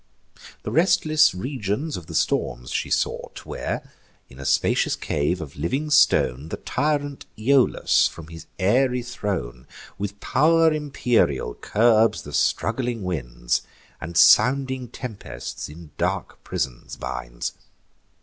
The restless regions of the storms she sought, Where, in a spacious cave of living stone, The tyrant Aeolus, from his airy throne, With pow'r imperial curbs the struggling winds, And sounding tempests in dark prisons binds.